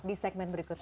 di segmen berikutnya